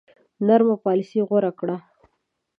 نرمه پالیسي غوره کړه.